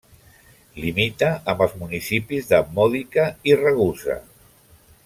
Limita amb els municipis de Modica i Ragusa.